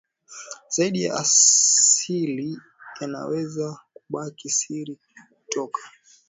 zaidi ya asili yanaweza kubaki siri kutoka